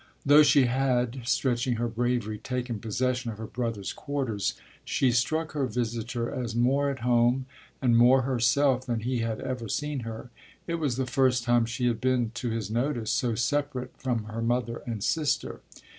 Though she had, stretching her bravery, taken possession of her brother's quarters, she struck her visitor as more at home and more herself than he had ever seen her. It was the first time she had been, to his notice, so separate from her mother and sister.